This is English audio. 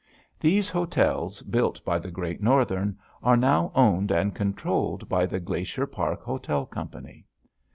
These hotels, built by the Great Northern, are now owned and controlled by the Glacier Park Hotel Company.